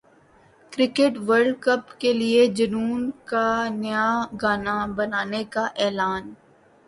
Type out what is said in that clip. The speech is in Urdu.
کرکٹ ورلڈ کپ کے لیے جنون کا نیا گانا بنانے کا اعلان